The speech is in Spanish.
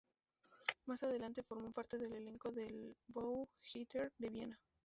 Más adelante formó parte del elenco del Burgtheater de Viena.